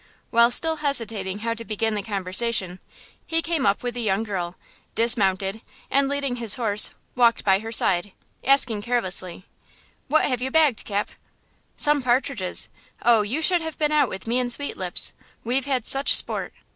While still hesitating how to begin the conversation, he came up with the young girl, dismounted, and, leading his horse, walked by her side, asking carelessly: "What have you bagged, Cap?" "Some partridges! Oh, you should have been out with me and Sweetlips! We've had such sport!